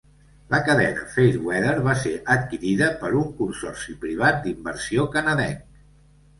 La cadena Fairweather va ser adquirida per un consorci privat d'inversió canadenc.